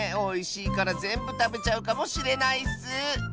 おいしいからぜんぶたべちゃうかもしれないッス。